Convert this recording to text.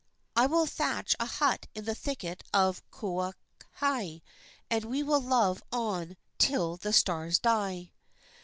I will thatch a hut in the thicket of Kaohai, and we will love on till the stars die."